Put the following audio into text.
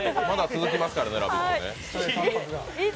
続きますからね。